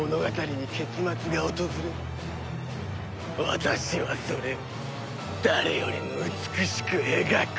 私はそれを誰よりも美しく描く！